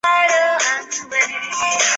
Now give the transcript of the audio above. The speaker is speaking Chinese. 和尼奥尔德分手后据说再嫁给乌勒尔。